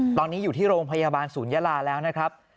ตอนนี้อยู่ที่โรงพยาบาลศูนยาลาแล้วนะครับ